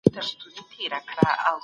تخصصي کار د علمي پرمختګ لامل کیږي.